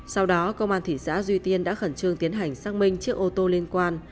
sau đó công an thị xã duy tiên đã khẩn trương tiến hành xác minh chiếc ô tô liên quan